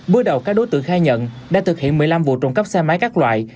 bước đầu các đối tượng khai nhận đã thực hiện một mươi năm vụ trộm cắp xe máy các loại